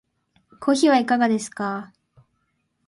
コーヒーはいかがですか？